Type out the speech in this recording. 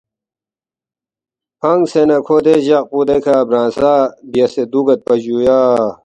فنگسے نہ کھو دے جقپو دیکھہ برانگسہ بیاسے دُوگیدپا جُویا